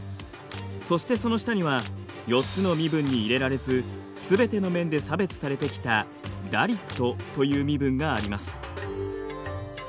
そしてその下には４つの身分に入れられずすべての面で差別されてきたダリットという身分があります。